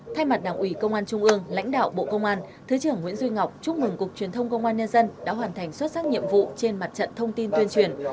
thay mặt đảng ủy công an trung ương lãnh đạo bộ công an thứ trưởng nguyễn duy ngọc chúc mừng cục truyền thông công an nhân dân đã hoàn thành xuất sắc nhiệm vụ trên mặt trận thông tin tuyên truyền